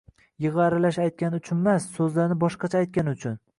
Yig`i aralash aytgani uchunmas, so`zlarni boshqacha aytgani uchun